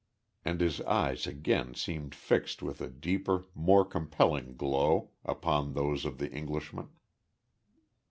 And his eyes again seemed fixed with a deeper, more compelling glow, upon those of the Englishman.